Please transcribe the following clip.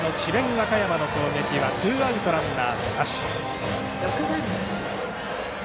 和歌山の攻撃はツーアウト、ランナーなし。